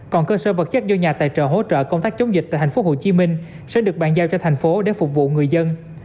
còn cơ sở vật chất do nhà tài trợ hỗ trợ công tác chống dịch tại tp hcm sẽ được bàn giao cho thành phố để phục vụ người dân